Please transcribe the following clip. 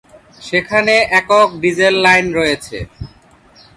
সেখানে একক diesel line রয়েছে।